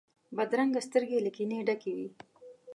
بدرنګه سترګې له کینې ډکې وي